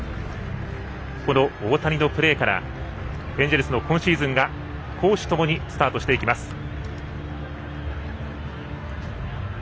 この大谷のプレーからエンジェルスの今シーズンが攻守ともにスタートします。